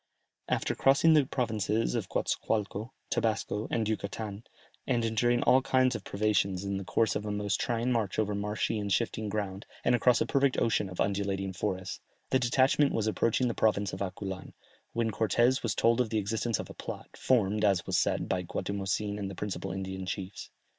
After crossing the provinces of Goatzacoalco, Tabasco, and Yucatan, and enduring all kinds of privations in the course of a most trying march over marshy and shifting ground, and across a perfect ocean of undulating forests, the detachment was approaching the province of Aculan, when Cortès was told of the existence of a plot, formed, as was said, by Guatimozin and the principal Indian chiefs.